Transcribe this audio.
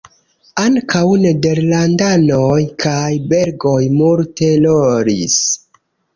Ankaŭ nederlandanoj kaj belgoj multe rolis.